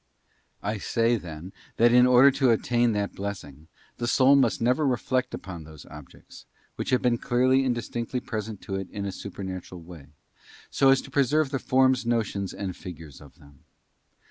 I say, then, that in order to attain that blessing, the soul must never reflect upon those objects, which have been clearly and distinctly present to it in a supernatural way, so, as to preserve the forms, notions, and figures of them.